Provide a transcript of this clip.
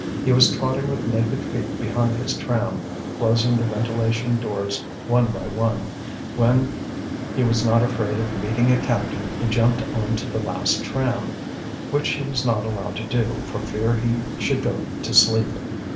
He was trotting with naked feet behind his tram, closing the ventilation doors one by one; when he was not afraid of meeting a captain he jumped on to the last tram, which he was not allowed to do for fear he should go to sleep.